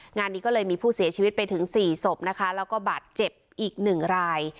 งานนี้ก็เลยมีผู้เสียชีวิตไปถึง๔ศพนะคะแล้วก็บาดเจ็บอีกหนึ่งราย